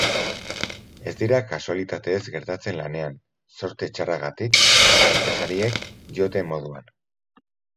Ez dira kasualitatez gertatzen lanean, zorte txarragatik, enpresariek dioten moduan.